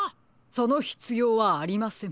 そのひつようはありません。